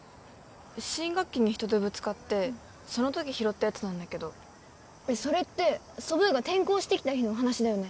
新学期に人とぶつかってそのとき拾ったやつなんだけどそれってソブーが転校してきた日の話だよね